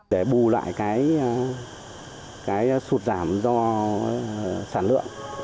để bù lại cái sụt giảm do sản lượng